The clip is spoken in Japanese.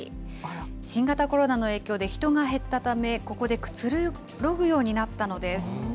新型コロナの影響で人が減ったため、ここでくつろぐようになったのです。